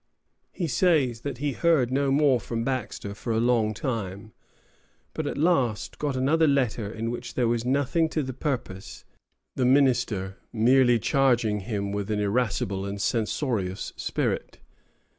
He says that he heard no more from Baxter for a long time, but at last got another letter, in which there was nothing to the purpose, the minister merely charging him with an irascible and censorious spirit.